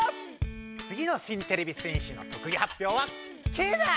つぎの新てれび戦士の特技はっぴょうはケイだ！